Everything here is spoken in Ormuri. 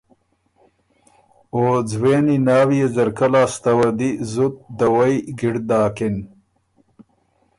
او ځوېني ناويې ځرکۀ لاسته وه زُت دَوَئ ګِړد داکِن